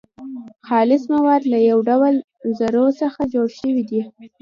خالص مواد له يو ډول ذرو څخه جوړ سوي دي .